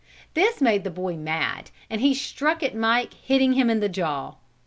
This made the boy mad and he struck at Mike hitting him in the jaw.